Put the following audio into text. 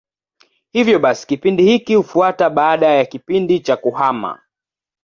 Hivyo basi kipindi hiki hufuata baada ya kipindi cha kuhama.